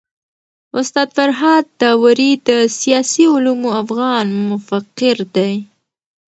استاد فرهاد داوري د سياسي علومو افغان مفکر دی.